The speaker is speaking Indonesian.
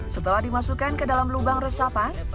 setelah dimasukkan ke dalam lubang resapan